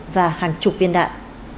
và hàng chục viên đạn